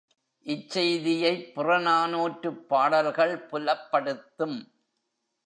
இச்செய்தியைப் புறநானூற்றுப் பாடல்கள் புலப்படுத்தும்.